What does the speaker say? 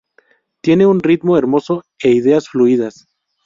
Tiene un ritmo hermoso e ideas fluidas.